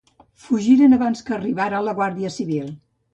Fugiren abans que arribara la Guàrdia Civil.